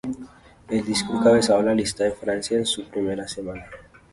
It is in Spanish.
El disco encabezó las listas de Francia en su primera semana.